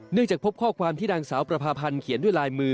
จากพบข้อความที่นางสาวประพาพันธ์เขียนด้วยลายมือ